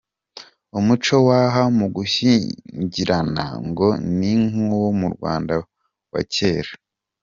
Umuco w’aha mu gushyingirana ngo ni nk’uwo mu Rwanda wa kera.